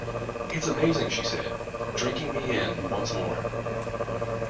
'It's amazing' she said, drinking me in once more.